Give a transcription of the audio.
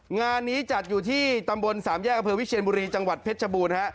งานนี้จัดอยู่ที่ตำบลสามแยกอเภวิเชียนบุรีจังหวัดเพชรชบูรณ์